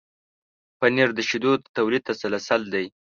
پنېر د شیدو د تولید تسلسل دی.